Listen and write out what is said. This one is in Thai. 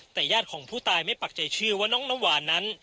แต่ญาติของผู้ตายไม่ปักใจเชื่อว่าน้องน้ำหวานนั้น